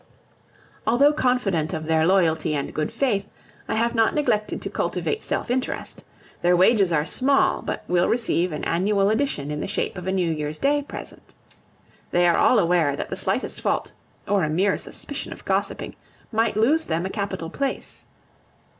Although confident of their loyalty and good faith, I have not neglected to cultivate self interest; their wages are small, but will receive an annual addition in the shape of a New Year's Day present. They are all aware that the slightest fault, or a mere suspicion of gossiping, might lose them a capital place.